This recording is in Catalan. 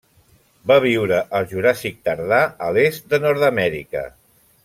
Va viure al Juràssic tardà, a l'est de Nord-amèrica.